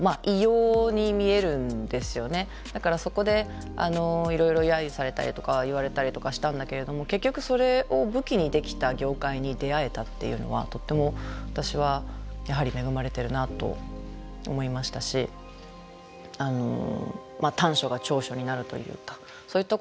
だからそこでいろいろ揶揄されたりとか言われたりとかしたんだけれども結局それを武器にできた業界に出会えたっていうのはとっても私はやはり恵まれてるなと思いましたし短所が長所になるというかそういったこともあり得る話なので。